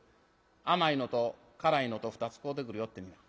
甘いのと辛いのと２つ買うてくるよってにな